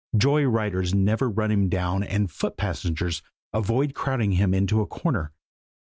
Joy riders never run him down and foot passengers avoid crowding him into a corner.